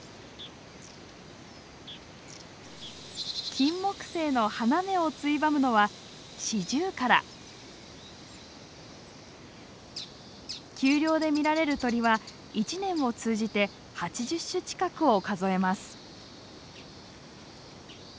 キンモクセイの花芽をついばむのは丘陵で見られる鳥は一年を通じて８０種近くを数えます。